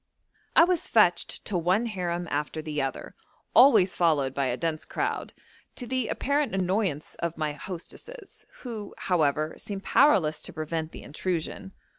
I was fetched to one harem after the other, always followed by a dense crowd, to the apparent annoyance of my hostesses, who, however, seemed powerless to prevent the intrusion.